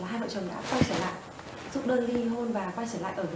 là hai vợ chồng đã quay trở lại giúp đơn ly hôn và quay trở lại ở với nhau